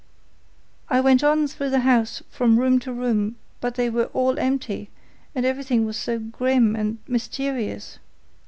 'I went on through the house from room to room, but they were all empty, and everything was so grim and mysterious.